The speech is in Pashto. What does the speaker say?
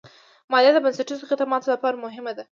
مالیه د بنسټیزو خدماتو لپاره مهمه ده.